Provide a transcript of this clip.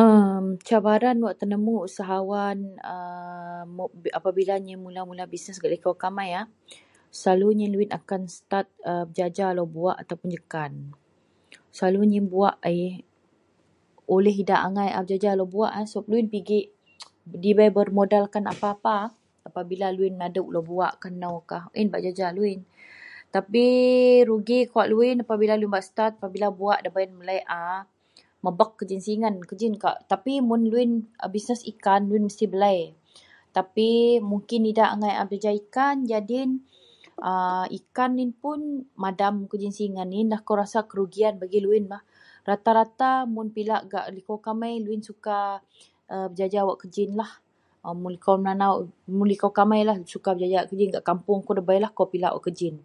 [am] Cabaran wak tenemu usahawan [a] apabila nyin mula-mula bisness gak likou kamei ah, selalu yin akan start pejaja lo buwak ataupun jekan. Selalu nyin buwak ih, oleh idak angai a pejaja lo buwak sebap luyin pigik debei bermodalkan apa-apa, apabila luyin maduk lo buwak kah nou kah bak jaja luyin tapi rugi kawak luyin apabila luyin bak start, apabila buwak debei nebelei a mebek gejin singen, gejin kawak tapi mun luyin [a] bisness ikan loyin mesti belei tapi mungkin idak angai a pejaja ikan jadin [a] ikan yin puun madam gejin singen, yenlah kou rasa kerugian bagi loyin bah rata-rata mun pilak gak kampung kamei suka pejaja wak kejin lah. Mun likou Melanau, mun likou kameilah suka pejaja wak kejin gak kampung kou debei kah kou pilak wak gejin